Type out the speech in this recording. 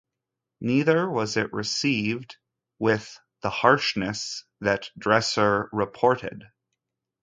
Neither was it received with the harshness that Dreiser reported.